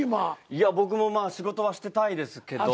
いや僕もまあ仕事はしてたいですけど。